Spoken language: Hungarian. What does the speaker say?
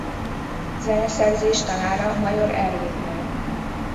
Zeneszerzés tanára Major Ervin volt.